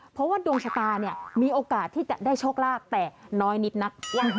เพราะว่าดวงชะตาเนี่ยมีโอกาสที่จะได้โชคลาภแต่น้อยนิดนัก